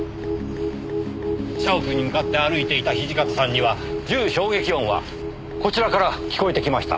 社屋に向かって歩いていた土方さんには銃衝撃音はこちらから聞こえてきました。